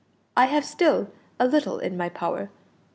I have still a little in my power.